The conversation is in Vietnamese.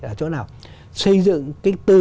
là chỗ nào xây dựng từ